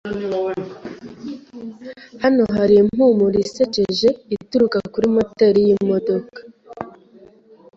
Hano hari impumuro isekeje ituruka kuri moteri yimodoka.